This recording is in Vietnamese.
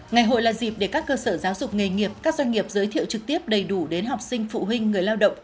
ngày hội là dịp để các cơ sở giáo dục nghề nghiệp các doanh nghiệp giới thiệu trực tiếp đầy đủ đến học sinh phụ huynh người lao động